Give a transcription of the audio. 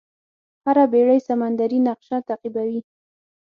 هره بېړۍ سمندري نقشه تعقیبوي.